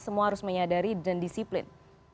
semua harus menyadari dan disiplin